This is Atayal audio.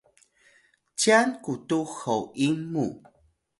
cyan qutux hoyil mu